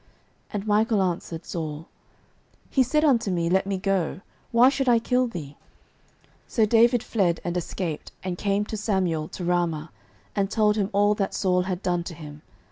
And Michal answered Saul, He said unto me, Let me go; why should I kill thee? 09:019:018 So David fled, and escaped, and came to Samuel to Ramah, and told him all that Saul had done to him.